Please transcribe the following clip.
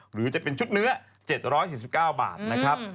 หรือจะเป็นชุดเนื้อเจ็ดร้อยสิบเก้าบาทนะครับ